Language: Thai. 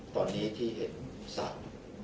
ตอนนี้ที่เห็น๓